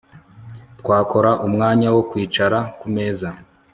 twakora umwanya wo kwicara kumeza